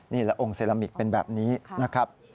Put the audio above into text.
ละองค์เซรามิกเป็นแบบนี้นะครับ